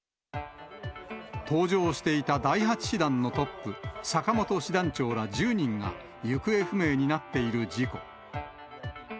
搭乗していた第８師団のトップ、坂本師団長ら１０人が行方不明になっている事故。